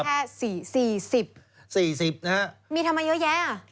๔๐นะครับมีทำไมเยอะแยะอ่ะ